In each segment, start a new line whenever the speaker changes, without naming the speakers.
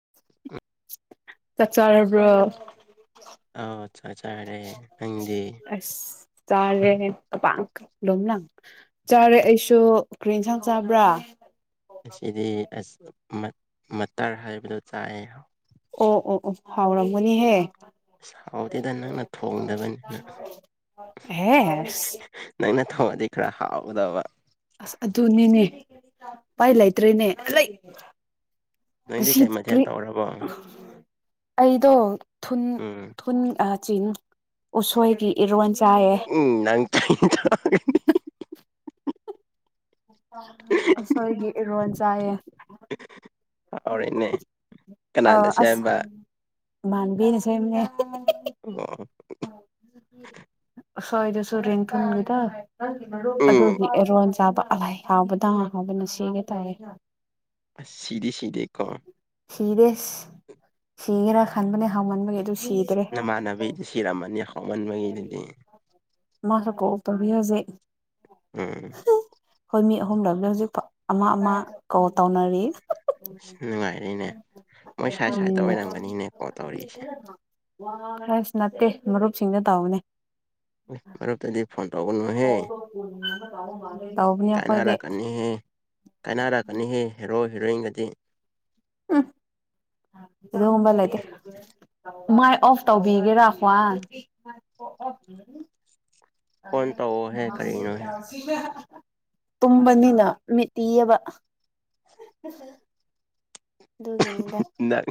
[inaudible]
ꯆꯥꯛ ꯆꯥꯔꯕ꯭ꯔꯣ
ꯑꯧ ꯆꯥꯛ ꯆꯥꯔꯦ ꯅꯪꯗꯤ
ꯑꯁ ꯆꯥꯔꯦ [unintelligible] ꯆꯥꯔꯦ ꯑꯩꯁꯨ ꯀ꯭ꯔꯤ ꯏꯟꯁꯥꯡ ꯆꯥꯕ꯭ꯔꯥ
ꯑꯁꯤꯗꯤ ꯑꯁ ꯃ ꯃꯇꯔ ꯍꯥꯏꯕꯗꯣ ꯆꯥꯏꯑꯦ꯫
ꯑꯣ ꯑꯣ ꯑꯣ ꯍꯥꯎꯔꯝꯒꯅꯤꯍꯦ
ꯑꯁ ꯍꯥꯎꯇꯦꯗ ꯅꯪꯅ ꯊꯣꯡꯗꯕꯅꯤꯅ
ꯍꯦꯁ
ꯅꯪꯅ ꯊꯣꯡꯑꯗꯤ ꯈꯔ ꯍꯥꯎꯒꯗꯕ꯫
ꯑꯁ ꯑꯗꯨꯅꯤꯅꯦ ꯎꯄꯥꯏ ꯂꯩꯇ꯭ꯔꯤꯅꯦ
ꯅꯪꯗꯤ
ꯑꯁꯤ
ꯀꯩ ꯃꯊꯦꯜ
ꯀꯔꯤ
ꯇꯧꯔꯕꯣ
ꯑꯩꯗꯣ ꯊꯨꯟ
ꯎꯝ
ꯊꯨꯟ ꯑ ꯆꯤꯡ ꯎꯁꯣꯏꯒꯤ ꯏꯔꯣꯟ ꯆꯥꯏꯌꯦ꯫
ꯎꯝ ꯅꯪ [unintelligible]
ꯎꯁꯣꯏꯒꯤ ꯏꯔꯣꯟ ꯆꯥꯏꯌꯦ
ꯍꯥꯎꯔꯦꯅꯦ ꯀꯅꯥꯅ
ꯑꯥ ꯑꯁ
ꯁꯦꯝꯕ
ꯢꯃꯥꯟꯕꯤꯅ ꯁꯦꯝꯕꯅꯦ
ꯑꯣ
ꯑꯁꯣꯏꯗꯨꯁꯨ ꯔꯤꯡꯊꯨꯡꯗꯣ
ꯎꯝ
ꯑꯗꯨꯒꯤ ꯑꯦꯔꯣꯟ ꯆꯥꯕ ꯑꯂꯥꯏ꯫ ꯍꯥꯎꯕꯗ ꯍꯥꯎꯕꯅ ꯁꯤꯒꯦ ꯇꯧꯔꯦ꯫
ꯑꯁ ꯁꯤꯗꯤ ꯁꯤꯗꯦ ꯀꯣ
ꯁꯤꯗꯦ ꯁꯤꯒꯦꯔ ꯈꯟꯕꯅꯦ ꯍꯥꯎꯃꯟꯕꯒꯤ ꯑꯗꯨ ꯁꯤꯗ꯭ꯔꯦ
ꯅꯃꯥꯟꯅꯕꯤ ꯁꯤꯔꯝꯃꯅꯤ ꯍꯥꯎꯃꯟꯕꯒꯤꯗꯨꯗꯤ
ꯃꯥꯁꯨ ꯀꯣꯜ ꯇꯧꯔꯤ ꯍꯩꯖꯤꯛ
ꯎꯝ
ꯑꯩꯈꯣꯏ ꯃꯤ ꯑꯍꯨꯝ ꯂꯩ ꯍꯧꯖꯤꯛꯐꯥꯎ ꯑꯃ ꯑꯃ ꯀꯣꯜ ꯇꯧꯅꯔꯤ꯫
ꯑ ꯅꯨꯡꯉꯥꯏꯔꯤꯅꯦ ꯃꯣꯏ ꯁꯥꯏꯠ ꯁꯥꯏꯠꯇ
ꯎꯝ
ꯑꯣꯏꯔꯝꯒꯅꯤꯅꯦ ꯀꯣꯜ ꯇꯧꯔꯛꯏꯁꯦ꯫
ꯑꯁ ꯅꯠꯇꯦ ꯃꯔꯨꯞꯁꯤꯡꯗ ꯇꯧꯕꯅꯦ
ꯑꯥ [unintelligible] ꯃꯔꯨꯞꯇꯗꯤ ꯐꯣꯟ ꯇꯧꯒꯅꯨꯍꯦ
ꯇꯧꯕꯅꯦ ꯑꯩꯈꯣꯏꯗꯤ
ꯀꯥꯏꯅꯔꯛꯀꯅꯤꯍꯦ ꯀꯥꯏꯅꯔꯛꯀꯅꯤꯍꯦ ꯍꯦꯔꯣ ꯍꯦꯔꯣꯏꯟꯗꯗꯤ
ꯎꯝ ꯑꯗꯨꯒꯨꯝꯕ ꯂꯩꯇꯦ ꯃꯥꯏ ꯑꯣꯐ ꯇꯧꯕꯤꯒꯦꯔꯥ ꯈ꯭ꯋꯥꯟ
ꯍꯣꯟ ꯇꯧꯑꯣꯍꯦ ꯀꯔꯤꯅꯣꯍꯦ
ꯇꯨꯝꯕꯅꯤꯅ ꯃꯤꯠꯇꯤ ꯑꯦꯕ
ꯅꯪ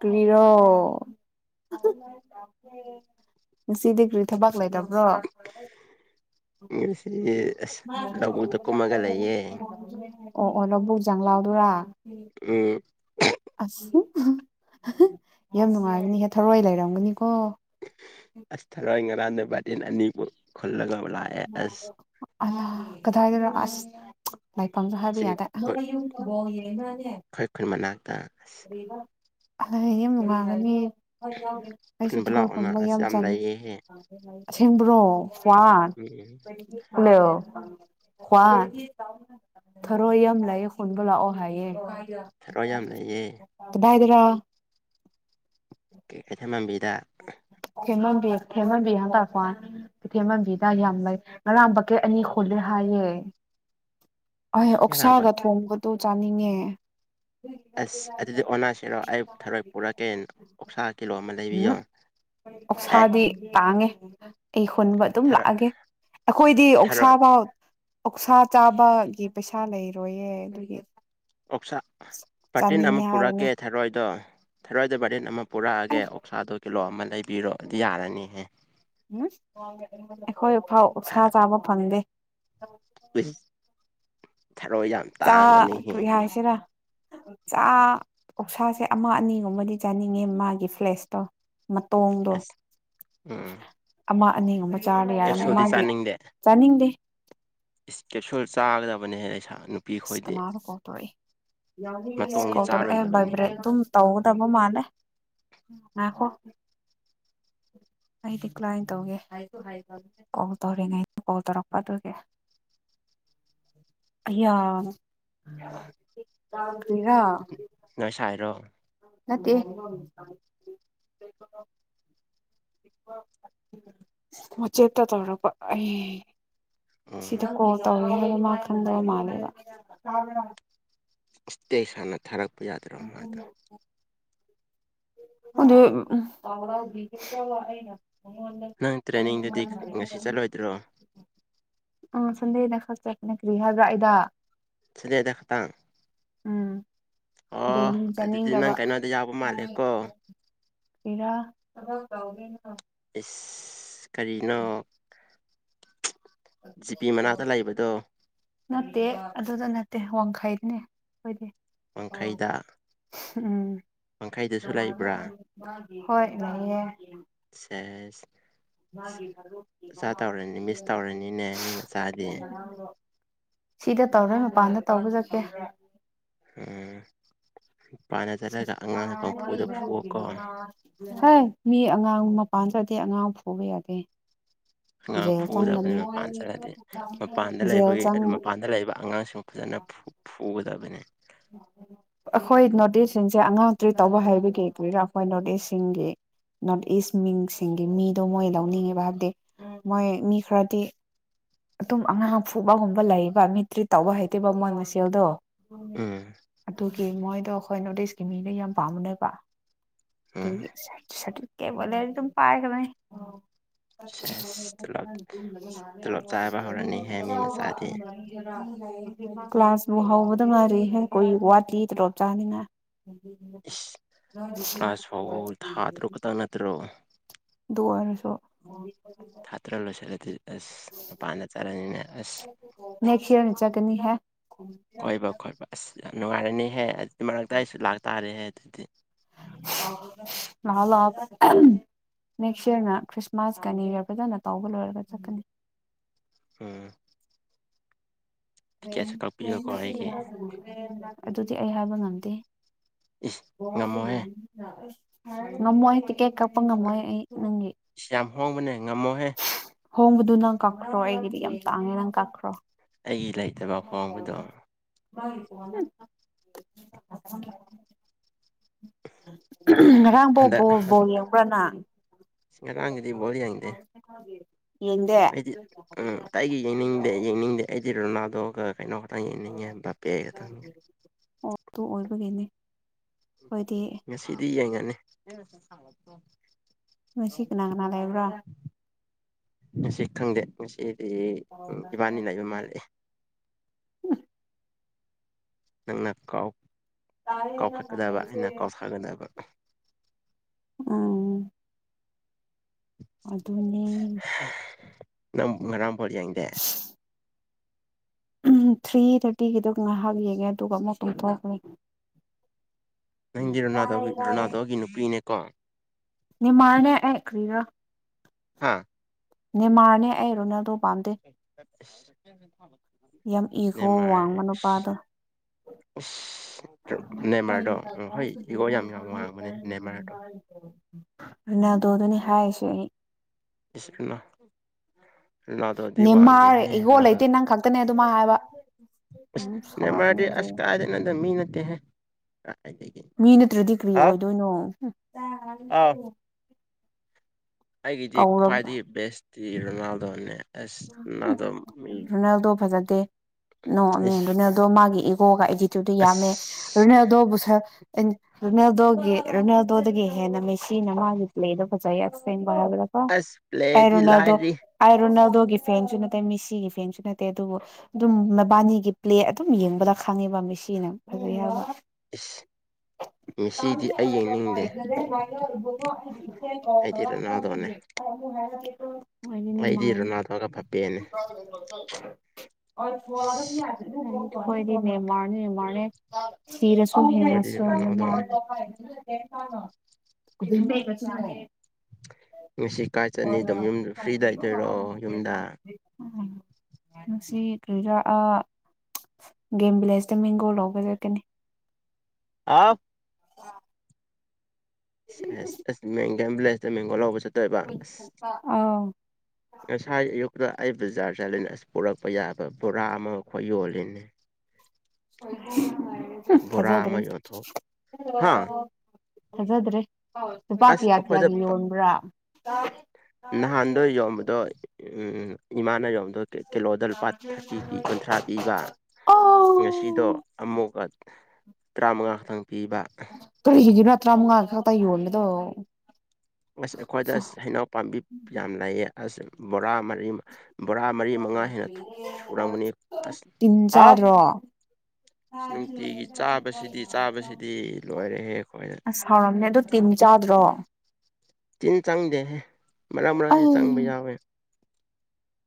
ꯀꯔꯤꯔꯣ ꯉꯁꯤꯗꯤ ꯀ꯭ꯔꯤ ꯊꯕꯛ ꯂꯩꯇꯕ꯭ꯔꯣ
ꯉꯁꯤ ꯑꯁ ꯂꯧꯕꯨꯛꯇ ꯀꯨꯝꯃꯒ ꯂꯩꯌꯦ꯫
[inaudible] ꯑꯣ ꯑꯣ ꯂꯧꯕꯨꯛ ꯖꯥꯡꯂꯥꯎꯗꯨꯔꯥ
ꯑꯝ
ꯑꯁ ꯌꯥꯝ ꯅꯨꯡꯉꯥꯏꯒꯅꯤ ꯍꯦ ꯊꯥꯔꯣꯏ ꯂꯩꯔꯝꯒꯅꯤꯀꯣ꯫
ꯑꯁ ꯊꯥꯔꯣꯏ ꯉꯔꯥꯡꯗ ꯕꯥꯇꯤꯟ ꯑꯅꯤꯕꯨ ꯈꯨꯜꯂꯒ ꯂꯥꯛꯑꯦ꯫ ꯑꯁ
ꯑꯣ ꯀꯗꯥꯏꯗꯔ ꯑꯁ ꯂꯩꯐꯝꯗꯨ ꯍꯥꯏꯕ
ꯁꯤ
ꯌꯥꯗꯦ
ꯑꯩꯈꯣꯢ ꯃꯅꯥꯛ ꯑꯥ
ꯌꯝ ꯅꯨꯡꯉꯥꯏꯒꯅꯤ ꯑꯩꯁꯨ ꯊꯥꯔꯣꯏ
ꯂꯥꯛꯑꯣꯅ
ꯈꯨꯟꯕ
ꯑꯁ
ꯌꯝ
ꯌꯥꯝ
ꯆꯥꯅꯤ
ꯂꯩꯌꯦꯍꯦ
ꯑꯁꯦꯡꯕ꯭ꯔꯣ ꯋꯥꯟ
ꯎꯝ
ꯍꯜꯂꯣ ꯀꯋꯥꯟ ꯊꯔꯣꯏ ꯌꯝ ꯂꯩꯌꯦ ꯈꯨꯟꯕ ꯂꯥꯛꯑꯣ ꯍꯥꯏꯌꯦ
ꯊꯔꯣꯏ ꯌꯥꯝ ꯂꯩꯌꯦ
ꯀꯗꯥꯏꯗꯔꯥ꯫
ꯀꯩ ꯀꯩꯊꯦꯟ ꯃꯟꯕꯤꯗ
ꯊꯦꯃꯝꯕꯤ ꯊꯦꯃꯝꯕꯤ ꯍꯦꯟꯇꯛ ꯋꯥꯟ ꯀꯩꯊꯦꯝꯃꯟꯕꯤꯗ ꯌꯝ ꯂꯩ ꯉꯔꯥꯡ ꯕꯥꯀꯦꯠ ꯑꯅꯤ ꯈꯨꯜꯂꯦ ꯍꯥꯏꯌꯦ꯫ ꯑꯩ
ꯉꯔꯥꯡꯕ
ꯑꯣꯛꯁꯥꯒ ꯊꯣꯡꯕꯗꯣ ꯆꯥꯅꯤꯡꯉꯦ
ꯑꯁ ꯑꯗꯨꯗꯤ ꯑꯣꯅꯁꯤꯔꯣ ꯑꯩ ꯊꯥꯔꯣꯏ ꯄꯨꯔꯛꯀꯦ ꯑꯣꯞꯁꯥ ꯀꯤꯂꯣ ꯑꯃ ꯂꯩ
ꯎꯝ ꯑꯣꯛꯁꯥꯗꯤ ꯇꯥꯡꯉꯦ꯫ ꯑꯩ ꯈꯨꯟꯕ ꯑꯗꯨꯝ
ꯊꯔꯣꯏ
ꯂꯥꯛꯑꯒꯦ ꯑꯈꯣꯏꯗꯤ
ꯊꯔꯣꯏ
ꯑꯣꯛꯁꯥꯐꯥꯎ ꯑꯣꯛꯁꯥ ꯆꯥꯕꯒꯤ ꯄꯩꯁꯥ ꯂꯩꯔꯣꯏꯌꯦ ꯑꯗꯨꯒꯤ꯫
ꯑꯣꯞꯁꯥ ꯄꯥꯔꯇꯤꯟ ꯑꯃ
ꯆꯥꯅꯤꯡꯉꯦ ꯍꯥꯏꯕꯅꯦ
ꯄꯨꯔꯛꯀꯦ꯫ ꯊꯥꯔꯣꯏꯗꯣ ꯊꯥꯔꯣꯏꯗ ꯕꯇꯤꯟ ꯑꯃ ꯄꯨꯔꯛꯑꯒꯦ ꯑꯣꯛꯁꯥꯗꯣ ꯀꯤꯂꯣ ꯑꯃ ꯂꯩꯕꯤꯔꯣ ꯑꯗꯨ ꯌꯥꯔꯅꯤꯍꯦ꯫
ꯎꯝ ꯑꯩꯈꯣꯏ ꯐꯥꯎ ꯑꯣꯛꯁꯥ ꯆꯥꯕ ꯐꯪꯗꯦ꯫
[unintelligible] ꯊꯔꯣꯏ ꯌꯥꯝ
ꯇꯥ
ꯇꯥꯡꯕꯅꯤꯍꯦ
ꯀꯔꯤ ꯍꯥꯏꯁꯤꯔ꯫ ꯆꯥ ꯑꯣꯛꯁꯥꯁꯦ ꯑꯃ ꯑꯅꯤꯒꯨꯝꯕꯗꯤ ꯆꯥꯅꯤꯡꯉꯦ ꯃꯥꯒꯤ ꯐ꯭ꯂꯦꯁꯇꯣ꯫ ꯃꯇꯣꯡꯗꯣ
ꯑꯁ ꯎꯝ
ꯑꯃ ꯑꯅꯤ ꯒꯨꯝꯕ꯫ ꯆꯥꯒꯦ ꯌꯥꯔꯝ
ꯀꯦꯞꯁꯨꯜꯗꯤ
ꯃꯥꯒꯤ
ꯆꯥꯅꯤꯡꯗꯦ
ꯆꯥꯅꯤꯡꯗꯦ꯫
ꯏꯁ ꯀꯦꯞꯁꯨꯜ ꯆꯥꯒꯗꯕꯅꯦ ꯑꯩ ꯏꯁꯥ ꯅꯨ
ꯑꯁ ꯀꯅꯥꯅꯣ ꯀꯣꯜ ꯇꯧꯔꯛ ꯑꯦ ꯑꯁ
ꯃꯇꯣꯡꯗꯤ
ꯀꯣꯜ ꯇꯧꯔꯛꯑꯦ
ꯆꯥꯔꯣꯏꯗꯕꯅꯤꯍꯦ
ꯕꯥꯏꯕ꯭ꯔꯦꯠ ꯑꯗꯨꯝ ꯇꯧꯒꯗꯕ ꯃꯥꯜꯂꯦ ꯉꯥꯢꯈꯣ꯫ ꯑꯩ ꯗꯤꯀ꯭ꯂꯥꯏꯟ ꯇꯧꯒꯦ ꯀꯣꯜ ꯇꯧꯔꯤꯉꯩꯩꯅ ꯀꯣꯜ ꯇꯧꯔꯛꯄ ꯑꯗꯨꯒꯤ꯫ ꯑꯌꯥ ꯀꯔꯤꯔ꯫
ꯅꯣꯏ ꯁꯥꯏꯔꯣ?
ꯅꯠꯇꯦ꯫ [unintelligible] ꯋꯥꯆꯦꯠꯇ ꯇꯧꯔꯛꯄ ꯑꯩ
ꯎꯝ
ꯁꯤꯗ ꯀꯣꯜ ꯇꯧꯔꯤꯌꯦ ꯍꯥꯢꯕ ꯃꯥ ꯈꯪꯗꯕ ꯃꯜꯂꯦꯕ
[unintelligible] ꯇꯦꯛꯁ ꯍꯥꯟꯅ ꯊꯥꯔꯛꯄ ꯌꯥꯗ꯭ꯔꯣ ꯃꯗꯣ?
[unintelligible]
ꯅꯪ ꯇ꯭ꯔꯦꯟꯅꯤꯡꯗꯨꯗꯤ ꯉꯁꯤ ꯆꯠꯂꯣꯏꯗ꯭ꯔꯣ?
ꯑꯥ ꯁꯟꯗꯦ ꯗꯥ ꯈꯛ ꯆꯠꯄꯅꯦ꯫ ꯀ꯭ꯔꯤ ꯍꯥꯏꯕ꯭ꯔꯥ ꯑꯩꯗ?
ꯁꯟꯗꯦꯗ ꯈꯛꯇꯥꯡ?
ꯎꯝ ꯗꯦꯂꯤ
ꯑꯗꯨꯗꯤ ꯅꯪ
ꯆꯠꯅꯤꯡꯗꯕ꯫
ꯀꯩꯅꯣꯗ ꯌꯥꯎꯕ ꯃꯥꯜꯂꯦꯀꯣ
ꯀꯦꯔꯥ ꯊꯕꯛ ꯇꯧꯗꯣꯏꯅꯣ
ꯏꯁ ꯀꯔꯤꯅꯣ? ꯖꯤꯄꯤ ꯃꯅꯥꯛꯇ ꯂꯩꯕꯗꯣ
ꯅꯠꯇꯦ ꯑꯗꯨꯗ ꯅꯠꯇꯦ ꯋꯥꯡꯈꯩꯗꯅꯦ ꯈꯣꯏꯗꯤ꯫
ꯋꯥꯡꯈꯩꯗ?
ꯎꯝ
ꯋꯥꯡꯈꯩꯗꯁꯨ
ꯅꯍꯟꯗꯣ
ꯂꯩꯕ꯭ꯔꯥ
ꯃꯒꯤ ꯍꯣꯏ ꯂꯩꯌꯦ꯫
ꯁꯦꯁ
ꯃꯥꯒꯤ ꯃꯔꯨꯞꯀꯤ
ꯆꯥ
ꯃꯃꯥ
ꯇꯧꯔꯅꯤ ꯃꯤꯁ ꯇꯧꯔꯅꯤꯅꯦ ꯃꯤ ꯃꯆꯥꯗꯤ
[unintelligible] ꯉꯔꯡꯗꯣ ꯁꯤꯗ ꯇꯧꯔꯣꯏ ꯃꯄꯥꯟꯗ ꯇꯧꯕ ꯆꯠꯀꯦ꯫
ꯎꯝ ꯄꯥꯥꯟꯗ ꯆꯠꯂꯒ ꯑꯉꯥꯡꯁꯦ ꯄꯡꯐꯨꯗ ꯐꯨꯋꯣꯀꯣ
ꯍꯩ ꯃꯤ ꯑꯉꯥꯡ ꯃꯄꯥꯟꯗꯗꯤ ꯑꯉꯥꯡ ꯐꯨꯕ ꯌꯥꯗꯦ꯫
ꯑꯉꯥꯡ
ꯖꯦꯜ ꯆꯪꯂꯅꯤ
ꯐꯨꯒꯗꯕꯅꯤ ꯃꯄꯥꯟꯗ ꯆꯠꯂꯗꯤ ꯃꯄꯥꯟꯗ
ꯖꯦꯜ
ꯂꯩꯕꯒꯤ
ꯆꯪ
ꯑꯗꯨ ꯃꯄꯥꯟꯗ ꯂꯩꯕ ꯑꯉꯥꯡꯁꯤꯡ ꯐꯖꯅ ꯐꯨ ꯐꯨꯒꯗꯕꯅꯦ
ꯑꯈꯣꯏ ꯅꯣꯔꯇ ꯗꯤꯁ ꯁꯤꯡꯁꯦ ꯑꯉꯥꯛ ꯇ꯭ꯔꯤꯠ ꯇꯧꯕ ꯍꯥꯏꯕꯒꯤ ꯀꯨꯏꯔꯥ ꯑꯩꯈꯣꯏ ꯅꯣꯔꯇ ꯏꯁ ꯁꯤꯡꯒꯤ ꯅꯣꯔꯠ ꯏꯁ ꯃꯤꯡꯁꯤꯡꯒꯤ ꯃꯤꯗꯣ ꯃꯣꯏ ꯂꯧꯅꯤꯡꯉꯦꯕ ꯍꯥꯏꯕꯗꯤ ꯃꯣꯏ ꯃꯤ ꯈꯔꯗꯤ ꯑꯗꯨꯝ ꯑꯉꯥꯡ ꯐꯨꯕꯒꯨꯝꯕ ꯂꯩꯌꯦꯕ ꯃꯤ ꯇ꯭ꯔꯤꯠ ꯇꯧꯕ ꯍꯩꯇꯦꯕ ꯃꯣꯏ ꯃꯁꯦꯜꯗꯣ ꯑꯗꯨꯅꯦ
ꯎꯝ
ꯑꯗꯨꯒꯤ ꯃꯣꯏꯗꯣ ꯑꯈꯣꯏ ꯅꯣꯔꯠ ꯏꯁꯀꯤ ꯃꯤꯗ ꯌꯥꯝ ꯄꯥꯝꯕꯅꯦꯕ꯫
ꯎꯝ
ꯗꯨꯒꯤ ꯁꯔ ꯁꯔꯇꯤꯐꯤꯀꯦꯠꯕꯨ ꯂꯩꯔꯗꯤ ꯑꯗꯨꯝ ꯄꯥꯏꯈꯔꯕꯅꯤ ꯑꯧ [unintelligible]
ꯁꯦꯁ
[unintelligible]
ꯇꯣꯂꯣꯞ ꯇꯣꯂꯣꯞ ꯆꯥꯕ ꯍꯧꯔꯅꯤꯍꯦ ꯃꯤ ꯃꯆꯥꯗꯤ
ꯀ꯭ꯂꯥꯁꯕꯨ ꯍꯧꯕꯗ ꯉꯥꯏꯔꯤꯍꯦ ꯀꯨꯏ ꯋꯥꯠꯂꯤ ꯇꯣꯂꯣꯞ ꯆꯥꯅꯤꯡꯉꯥꯏ꯫ [unintelligible]
ꯏꯁ ꯀ꯭ꯂꯥꯁ ꯐꯥꯎ ꯊꯥ ꯇꯔꯨꯛ ꯈꯛꯇꯪ ꯅꯠꯇ꯭ꯔꯣ
ꯗꯨ ꯑꯣꯢꯔꯁꯨ [unintelligible]
ꯊꯥꯇ꯭ꯔ ꯂꯣꯏꯁꯤꯜꯂꯗꯤ ꯑꯁ ꯃꯄꯥꯟꯗ ꯆꯥꯔꯅꯤꯅꯦ ꯑꯁ
[unintelligible] ꯅꯦꯛꯁ ꯌꯦꯔꯅꯥ ꯆꯠꯀꯅꯤꯍꯦ
ꯀꯣꯏꯕ ꯈꯣꯏꯕ ꯑꯁ ꯌꯥꯝ ꯅꯨꯡꯉꯥꯏꯔꯅꯤꯍꯦ ꯑꯗꯨ ꯃꯔꯛꯇ ꯑꯩꯁꯨ ꯂꯥꯛꯇꯥꯔꯦꯍꯦ ꯑꯗꯨꯗꯤ
[unintelligible] ꯂꯛꯑꯣ ꯂꯥꯎ [unintelligible] ꯅꯦꯛꯁ ꯌꯦꯔꯅ ꯈ꯭ꯔꯤꯁꯃꯥꯁꯀ ꯅꯨꯏ ꯌꯔ ꯐꯖꯅ ꯇꯧꯕ ꯂꯣꯏꯔꯒ ꯆꯠꯀꯅꯤ
ꯎꯝ ꯇꯤꯛꯀꯦꯠꯁꯨ ꯀꯛꯄꯤꯌꯨꯀꯣ ꯑꯩꯒꯤ
[unintelligible] ꯑꯗꯨꯗꯤ ꯑꯩ ꯍꯥꯏꯕ ꯉꯝꯗꯦ [unintelligible]
ꯏꯁ ꯉꯝꯃꯣꯍꯦ
[unintelligible] ꯉꯝꯃꯣꯏ ꯇꯤꯛꯀꯦꯠ ꯀꯛꯄ ꯉꯝꯃꯣꯏ ꯑꯩ ꯅꯪꯒꯤ
ꯏꯁ ꯌꯥꯝ ꯍꯣꯡꯕꯅꯦ ꯉꯝꯃꯣꯍꯦ
ꯍꯣꯡꯕꯗꯨ ꯅꯪ ꯀꯛꯈ꯭ꯔꯣ ꯑꯩꯒꯤꯗꯤ ꯌꯥꯝ ꯇꯡꯉꯦ ꯅꯪ ꯀꯛꯈ꯭ꯔꯣ
ꯑꯩꯒꯤ ꯂꯩꯇꯕ ꯍꯣꯡꯕꯗꯣ
[unintelligible] [unintelligible] ꯉꯔꯥꯡ ꯄꯣ
ꯍꯟꯗꯛ
ꯕꯣꯜ ꯕꯣꯜ ꯌꯦꯡꯕ꯭ꯔ ꯅꯪ?
[unintelligible] ꯉꯔꯥꯡꯒꯤꯗꯤ ꯕꯣꯜ ꯌꯦꯡꯗꯦ꯫
[unintelligible]
ꯑꯩꯗꯤ ꯎꯝ
ꯑꯣ
ꯑꯇꯩꯒꯤ ꯌꯦꯡꯅꯤꯡꯗꯦ ꯌꯦꯡꯅꯤꯡꯗꯦ ꯑꯩꯗꯤ ꯔꯣꯅꯜꯗꯣꯒ ꯀꯩꯅꯣ ꯈꯛ ꯇꯪ ꯌꯦꯡꯅꯤꯡꯉꯦ ꯕꯥꯄꯦ ꯈꯇꯪꯒꯥ꯫
ꯑꯗꯨ ꯑꯣꯏꯕꯒꯤꯅꯦ
ꯉꯁꯤꯗꯤ ꯌꯦꯡꯉꯅꯤ
ꯃꯁꯤ ꯀꯅꯥ ꯀꯅꯥ ꯂꯩꯕ꯭ꯔꯥ
ꯉꯁꯤ ꯈꯪꯗꯦ ꯉꯁꯤꯗꯤ ꯏꯕꯥꯟꯅꯤ ꯂꯩꯕ ꯃꯥꯜꯂꯦ ꯅꯪꯅ ꯀꯥꯎ ꯀꯥꯎꯈꯠꯀꯗꯕ ꯑꯩꯅ ꯀꯥꯎꯊꯥꯒꯗꯕ
ꯎꯝ
[inaudible]
ꯑꯗꯨꯅꯤ
ꯅꯪ ꯉꯔꯥꯡ ꯕꯣꯜ ꯌꯦꯡꯗꯦ
ꯊ꯭ꯔꯤ ꯊꯥꯔꯇꯤꯒꯤꯗꯣ ꯉꯥꯏꯍꯥꯛ ꯌꯦꯡꯉꯦ ꯑꯗꯨꯒ ꯑꯃꯨꯛ ꯊꯨꯝꯊꯣꯛꯈꯔꯦ
ꯅꯪꯗꯤ ꯔꯣꯅꯥꯗꯣꯒꯤ
ꯇꯥꯔꯦ
ꯔꯣꯅꯥꯗꯣꯒꯤ ꯅꯨꯄꯤꯅꯦꯀꯣ
ꯅꯦꯃꯥꯔꯅꯦ ꯑꯩ ꯀꯔꯤꯔꯥ
ꯍꯥꯥ
ꯅꯦꯃꯥꯔꯅꯦ ꯑꯩ ꯔꯣꯅꯦꯜꯗꯣ ꯄꯥꯝꯗꯦ ꯌꯥꯝ ꯏꯒꯣ
ꯅꯦꯃꯥꯔ
ꯋꯥꯡꯕ
ꯏꯁ
ꯅꯨꯄꯥꯗꯣ
ꯢꯁ ꯅꯦꯃꯥꯔꯗꯣ ꯑꯣ ꯍꯣꯏ ꯏꯒꯣ ꯌꯥꯝ ꯌꯥꯝ ꯋꯥꯡꯕꯅꯦ ꯅꯦꯃꯥꯔꯗꯣ
ꯔꯣꯅꯥꯜꯗꯣꯗꯥꯅꯦ ꯍꯥꯏꯁꯦ ꯑꯩ
[unintelligible] ꯔꯣꯅꯥꯜꯗꯣꯗꯤ ꯋꯥꯡꯗꯦ
ꯅꯦꯃꯥꯔ
ꯍꯦ
ꯏꯒꯣ
ꯔꯣꯅꯥꯜꯗꯣ
ꯂꯩꯇꯦ ꯅꯪ ꯈꯛꯇꯅꯦ ꯑꯗꯨꯃꯥꯏ ꯍꯥꯏꯕ ꯎꯝ ꯁꯥꯎꯔꯛꯀꯅꯤ
ꯅꯦꯃꯥꯔꯗꯤ
ꯍꯧꯖꯤꯛ
ꯑꯁ ꯀꯥꯢꯗꯩꯅꯣꯗꯥ ꯃꯤ ꯅꯠꯇꯦꯍꯦ ꯀꯥꯢꯗꯥꯒꯤ
ꯃꯤ ꯅꯠꯇ꯭ꯔꯗꯤ ꯀ꯭ꯔꯤ ꯑꯣꯏꯗꯣꯏꯅꯣ
ꯑꯥꯎ ꯑꯩꯒꯤꯗꯤ
ꯀꯧꯔꯕ
ꯈ꯭ꯋꯥꯏꯗꯒꯤ ꯕꯦꯁꯇꯤ ꯔꯣꯅꯥꯜꯗꯣꯅꯦ ꯑꯁ ꯔꯣꯅꯥꯜꯗꯣ ꯃꯤ
ꯔꯣꯅꯥꯜꯗꯣ ꯐꯖꯗꯦ ꯅꯣ
ꯏꯁ
ꯔꯣꯅꯦꯜꯗꯣ ꯃꯥꯒꯤ ꯏꯒꯣꯒ ꯑꯦꯇꯤꯇ꯭ꯌꯨꯗꯣ
ꯑꯁ
ꯌꯥꯝꯃꯦ ꯔꯣꯅꯦꯜꯗꯣꯕꯨ ꯔꯦꯅꯦꯜꯗꯣꯒꯤ ꯔꯦꯅꯦꯜꯗꯣꯗꯒꯤ ꯍꯦꯟꯅ ꯃꯦꯁꯤꯅ ꯃꯥꯒꯤ ꯄ꯭ꯂꯦꯗꯣ ꯐꯖꯩ ꯑꯥꯁꯦꯡꯕ ꯍꯥꯏꯕꯗ
ꯑꯁ
ꯑꯩ
ꯄ꯭ꯂꯦꯗꯤ
ꯔꯣꯅꯥꯜꯗꯣ
ꯂꯥꯏꯔꯤ
ꯑꯩ ꯔꯣꯅꯥꯜꯗꯣꯒꯤ ꯐꯦꯟꯁꯨ ꯅꯠꯇꯦ ꯃꯤꯁꯤꯒꯤ ꯐꯦꯟꯁꯨ ꯅꯠꯇꯦ ꯑꯗꯨꯕꯨ ꯑꯗꯨꯝ ꯃꯕꯥꯟꯅꯤꯒꯤ ꯄ꯭ꯂꯦ ꯑꯗꯨꯝ ꯌꯦꯡꯕꯗ ꯈꯪꯉꯤꯕ ꯃꯤꯁꯤꯅ ꯐꯖꯩ ꯍꯥꯏꯕ
ꯏꯁ ꯃꯦꯁꯤꯗꯤ ꯑꯩ ꯌꯦꯡꯅꯤꯡꯗꯦ
[unintelligible]
ꯑꯩꯗꯤ ꯔꯣꯅꯥꯜꯗꯣꯅꯦ
[unintelligible]
ꯑꯩꯗꯤ ꯔꯣꯅꯥꯜꯗꯣ ꯃꯦꯟꯅꯤ ꯑꯁ
ꯈꯣꯢꯗꯤ ꯅꯦꯃꯥꯔꯅꯦ ꯅꯦꯃꯥꯔꯅꯦ ꯁꯤꯔꯁꯨ
ꯑꯩꯈꯣꯏꯗꯤ
ꯍꯤꯡꯔꯁꯨ
ꯔꯣꯅꯥꯜꯗꯣꯅꯦ
ꯅꯦꯃꯥꯔꯅꯦ [unintelligible]
ꯉꯁꯤ ꯀꯥꯏ ꯆꯠꯅꯤ ꯑꯗꯨꯝ ꯌꯨꯝꯗ ꯐ꯭ꯔꯤꯗ ꯑꯣꯏꯗꯣꯏꯔꯣ ꯌꯨꯝꯗ
[unintelligible] ꯉꯁꯤ ꯀꯔꯤꯗꯥ ꯒꯦꯝ ꯚꯤꯂꯦꯖꯇ ꯃꯦꯡꯒꯣ ꯂꯧꯕ ꯆꯠꯀꯅꯤ
[unintelligible] ꯁꯦꯁ ꯑꯁ ꯃꯦꯡ ꯚꯤꯂꯦꯖꯇ ꯃꯦꯡꯒꯣ ꯂꯧꯕ ꯆꯠꯇꯣꯏꯕ ꯑꯁ
ꯑꯥꯎ
ꯉꯁꯥꯏ ꯑꯌꯨꯛꯇ ꯑꯩ ꯕꯖꯥꯔ ꯆꯠꯂꯅ ꯑꯁ ꯄꯨꯔꯛꯄ ꯄꯨꯔꯛꯄ ꯌꯥꯕ ꯕꯣꯔꯥ ꯑꯃ ꯑꯩꯈꯣꯏ ꯌꯣꯜꯂꯤꯅꯤ
ꯐꯖꯗ꯭ꯔꯦ
ꯌꯣꯟꯊꯣꯛ ꯍꯥ
ꯐꯖꯗ꯭ꯔꯦ ꯂꯨꯄꯥ
ꯑꯁ
ꯀꯌꯥ
ꯑꯩꯈꯣꯏꯗ
ꯀꯌꯥꯒꯤ ꯌꯣꯟꯕ꯭ꯔꯥ
ꯌꯣꯝꯕꯗꯣ ꯎꯝ ꯏꯃꯥꯅ ꯌꯣꯟꯕꯗꯣ ꯀꯤꯂꯣꯗ ꯂꯨꯄꯥ ꯊꯥꯔꯇꯤ ꯄꯤ ꯀꯨꯟꯊ꯭ꯔꯥ ꯄꯤꯕ
ꯑꯣ
ꯉꯁꯤꯗꯣ ꯑꯃꯨꯛꯀ ꯇꯔꯥꯃꯉꯥ ꯈꯛꯇꯪ ꯄꯤꯕ
ꯀꯔꯤꯒꯤꯔ ꯇꯔꯥꯃꯉꯥ ꯈꯛꯇ ꯌꯣꯟꯕꯗꯣ
ꯑꯁ ꯑꯩꯈꯣꯏꯗ ꯍꯩꯅꯧ ꯄꯥꯝꯕꯤ ꯌꯥꯝ ꯂꯩꯌꯦ ꯑꯁ ꯕꯣꯔꯥ ꯃꯔꯤ ꯕꯣꯔꯥ ꯃꯔꯤ ꯃꯉꯥ ꯍꯦꯟꯅ ꯁꯨꯔꯝꯒꯅꯤ ꯑꯁ
ꯇꯤꯟ
ꯍꯥꯎ
ꯆꯥꯗ꯭ꯔꯣ
ꯑꯁ ꯅꯨꯡꯇꯤꯒꯤ ꯆꯥꯕꯁꯤꯗꯤ ꯆꯥꯕꯁꯤꯗꯤ ꯂꯣꯏꯔꯦꯍꯦ ꯑꯩꯈꯣꯏꯅ
ꯑꯁ ꯍꯥꯎꯔꯝꯅꯦ ꯑꯗꯨ ꯇꯤꯟ ꯆꯥꯗ꯭ꯔꯣ
ꯇꯤꯟ ꯆꯥꯡꯗꯦꯍꯦ ꯃꯔꯛ ꯃꯔꯛꯗꯤ ꯆꯪꯕ ꯌꯥꯎꯋꯦ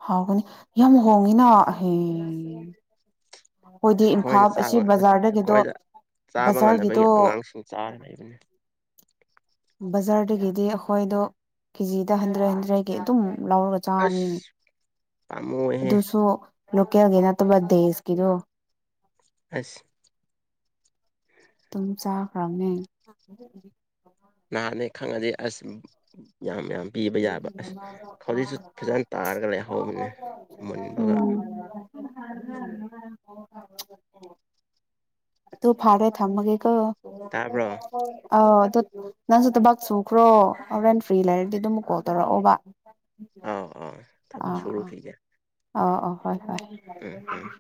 ꯍꯧꯒꯅꯤ ꯌꯥꯝ ꯍꯣꯡꯉꯤꯅ ꯑꯍꯩ ꯑꯈꯣꯏꯗꯤ
ꯑꯁ ꯑꯩꯈꯣꯏꯅ
ꯏꯝꯐꯥꯜ ꯑꯁꯤ
ꯆꯥꯕ ꯑꯁ
ꯕꯖꯥꯔꯗꯒꯤꯗꯣ
ꯑꯩꯈꯣꯏꯗ ꯆꯥꯕ ꯉꯝꯅꯕꯒꯤ
ꯕꯖꯥꯔꯒꯤꯗꯣ
ꯑꯉꯥꯡꯁꯤꯡ ꯆꯥꯔ ꯂꯩꯕꯅꯤ [unintelligible]
ꯕꯖꯥꯔꯗꯒꯤꯗꯤ ꯑꯩꯈꯣꯏꯗꯣ ꯀꯦꯖꯤꯗ ꯍꯟꯗ꯭ꯔꯦꯠ ꯍꯟꯗ꯭ꯔꯦꯠꯒꯤ ꯑꯗꯨꯝ ꯂꯧꯔꯒ ꯆꯥꯕꯅꯤꯅꯦ
ꯑꯁ ꯄꯥꯝꯃꯨꯍꯦ
ꯑꯗꯨꯁꯨ ꯂꯣꯀꯦꯜꯒꯤ ꯅꯠꯇꯕ ꯗꯦꯁꯀꯤꯗꯣ
ꯑꯁ
ꯑꯗꯨꯝ ꯆꯥꯈ꯭ꯔꯕꯅꯦ [inaudible]
ꯅꯍꯥꯟꯅꯦ ꯈꯪꯉꯗꯤ ꯑꯁ ꯌꯥꯝ ꯌꯥꯝ ꯄꯤꯕ ꯌꯥꯕ ꯑꯁ ꯍꯧꯖꯤꯛꯁꯨ ꯐꯖꯅ ꯇꯥꯔꯒ ꯂꯩꯍꯧꯕꯅꯦ ꯃꯨꯟꯕꯒ
ꯎꯝ [unintelligible] ꯑꯗꯨ ꯐꯔꯦ ꯊꯥꯝꯃꯒꯦꯒꯣ
ꯇꯥꯕ꯭ꯔꯣ
ꯑꯧ ꯑꯗꯨ ꯅꯪꯁꯨ ꯊꯕꯥꯛ ꯁꯨꯈ꯭ꯔꯣ ꯍꯣꯔꯦꯟ ꯐ꯭ꯔꯤ ꯂꯩꯔꯗꯤ ꯑꯗꯨꯝ ꯀꯣꯜ ꯇꯧꯔꯛꯑꯣꯕ
ꯑꯥꯎ ꯑꯥꯎ ꯊꯕꯛ
ꯑꯥ ꯑꯥ
ꯁꯨꯔꯨꯈꯤꯒꯦ
ꯑꯥ ꯑꯥ ꯍꯣꯏ ꯍꯣꯏ
ꯑ ꯑ [unintelligible]